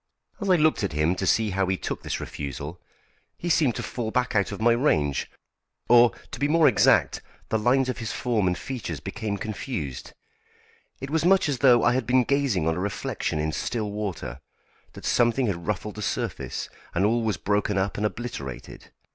As I looked at him to see how he took this refusal, he seemed to fall back out of my range, or, to be more exact, the lines of his form and features became confused. It was much as though I had been gazing on a reflection in still water; that something had ruffled the surface, and all was broken up and obliterated.